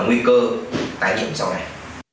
nguy cơ tái nhiễm sau này